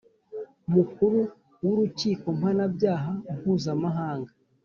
mukuru w'urukiko mpanabyaha mpuzamahanga